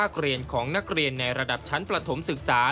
เรียนของนักเรียนในระดับชั้นประถมศึกษา